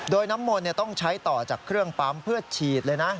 โดยน้ำมนต์ต้องใช้ต่อจากเครื่องปั๊มเพื่อฉีดเลยนะ